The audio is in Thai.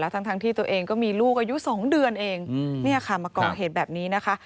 ทั้งที่ตัวเองก็มีลูกอายุ๒เดือนเองมาก่อเหตุแบบนี้นะคะ